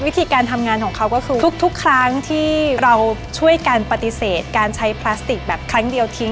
วิธีการทำงานของเขาก็คือทุกครั้งที่เราช่วยกันปฏิเสธการใช้พลาสติกแบบครั้งเดียวทิ้ง